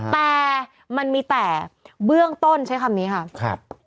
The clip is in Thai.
แต่มันมีแต่เบื้องต้นใช้คำนี้ค่ะครับ